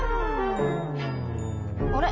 あれ？